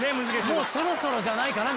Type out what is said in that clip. もうそろそろじゃないかな？